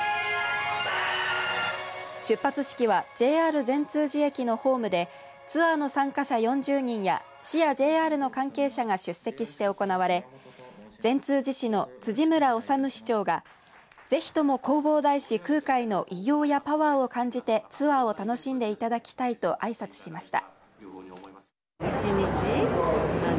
出発式はＪＲ善通寺駅のホームでツアーの参加者４０人や市やＪＲの関係者が出席して行われ善通寺市の辻村修市長がぜひとも弘法大師空海の偉業やパワーを感じてツアーを楽しんでいただきたいとあいさつしました。